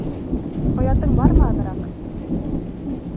Оятың бармы аҙыраҡ?!